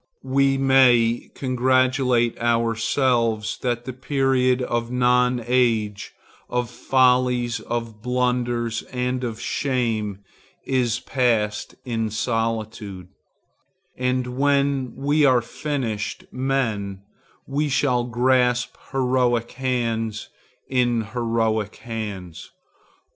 We may congratulate ourselves that the period of nonage, of follies, of blunders and of shame, is passed in solitude, and when we are finished men we shall grasp heroic hands in heroic hands.